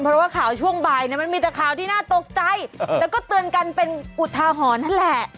เพราะว่าข่าวช่วงบ่ายเนี่ยมันมีแต่ข่าวที่น่าตกใจแล้วก็เตือนกันเป็นอุทาหรณ์นั่นแหละ